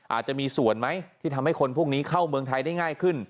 อาจจะมีส่วนไหมที่ทำให้คนพวกนี้เข้าเมืองไทยได้ง่ายขึ้น